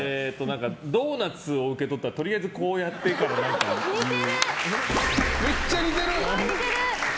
ドーナツを受け取ったらとりあえずこうやってからめっちゃ似てる！